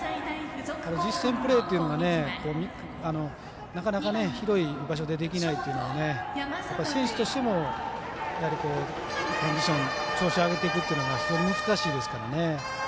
実践プレーというのがなかなか広い場所でできないのは選手としてもコンディション調子を上げていくのが難しいですからね。